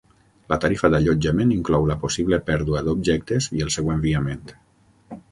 La tarifa d'allotjament inclou la possible pèrdua d'objectes i el seu enviament.